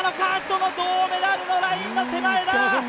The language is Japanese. その銅メダルのラインの手前だ！